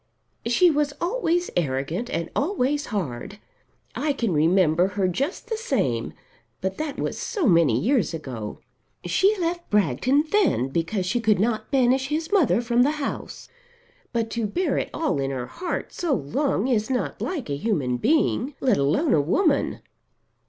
"She was always arrogant and always hard. I can remember her just the same; but that was so many years ago. She left Bragton then because she could not banish his mother from the house. But to bear it all in her heart so long is not like a human being, let alone a woman.